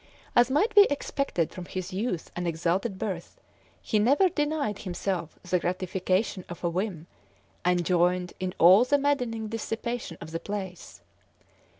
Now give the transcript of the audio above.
As might be expected from his youth and exalted birth, he never denied himself the gratification of a whim, and joined in all the maddening dissipation of the place.